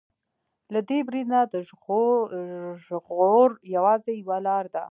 له دې برید نه د ژغور يوازې يوه لاره ده.